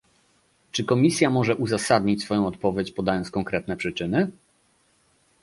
Czy Komisja może uzasadnić swoją odpowiedź podając konkretne przyczyny?